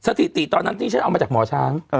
สถิติตอนนั้นที่ฉันเอามาจากหมอช้าง